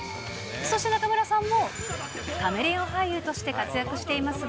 そして中村さんも、カメレオン俳優として活躍していますが、